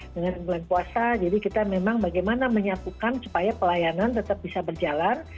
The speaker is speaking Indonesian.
dengan bulan puasa jadi kita memang bagaimana menyatukan supaya pelayanan tetap bisa berjalan